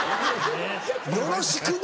「よろしくな」